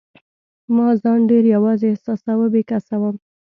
ما ځان ډېر یوازي احساساوه، بې کسه وم.